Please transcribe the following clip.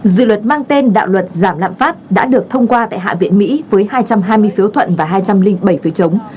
dự luật mang tên đạo luật giảm lạm phát đã được thông qua tại hạ viện mỹ với hai trăm hai mươi phiếu thuận và hai trăm linh bảy phiếu chống